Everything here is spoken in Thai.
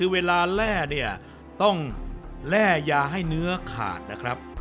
เวลาแร่เนี่ยต้องแร่ยาให้เนื้อขาดนะครับ